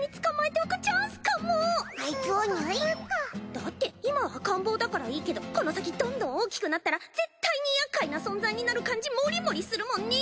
だって今は赤ん坊だからいいけどこの先どんどん大きくなったら絶対にやっかいな存在になる感じモリモリするもんね！